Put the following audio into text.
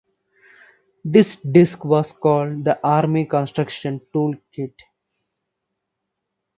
This disk was called the "Army Construction Toolkit".